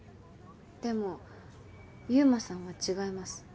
でも優馬さんは違います。